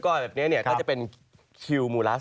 ก็จะเป็นคิวมูลัส